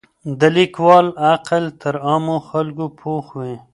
د ليکوال عقل تر عامو خلګو پوخ وي.